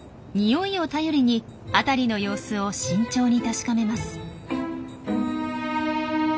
匂いを頼りに辺りの様子を慎重に確かめます。